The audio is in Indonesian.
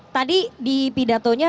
tadi di pidatonya itu